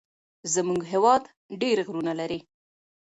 زمونږ هيواد ډير غرونه لري.